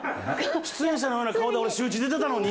出演者のような顔で俺、シューイチ出てたのに、今。